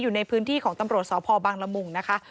อยู่ในพื้นที่ของตำรวจสพบังละมุงนะคะ